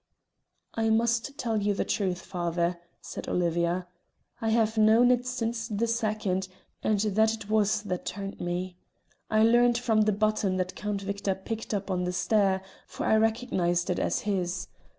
"I must tell you the truth, father," said Olivia. "I have known it since the second, and that it was that turned me. I learned from the button that Count Victor picked up on the stair, for I recognised it as his.